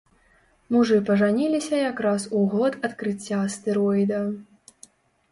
Мужы пажаніліся якраз у год адкрыцця астэроіда.